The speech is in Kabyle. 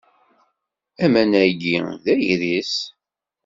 Aman-agi d agris.